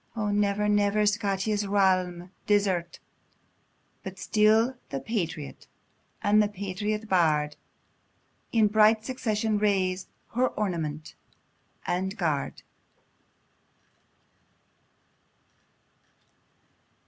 O never, never Scotia's realm desert; But still the patriot, and the patriot bard In bright succession raise, her ornament and guard!